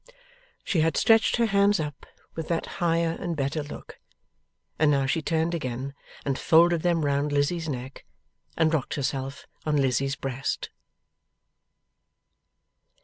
She had stretched her hands up with that higher and better look, and now she turned again, and folded them round Lizzie's neck, and rocked herself on Lizzie's breast.